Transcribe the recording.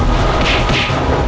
kedai yang menangis